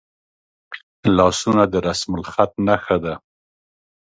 لاسونه د رسمالخط نښه ده